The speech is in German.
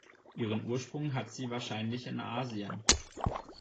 Ihren Ursprung hat sie wahrscheinlich in Asien.